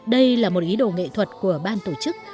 đây là một ý đồ nghệ thuật của ban tổ chức